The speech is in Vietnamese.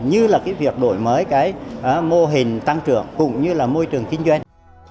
như việc đổi mới mô hình tăng trưởng cùng như môi trường kinh doanh